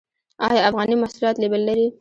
آیا افغاني محصولات لیبل لري؟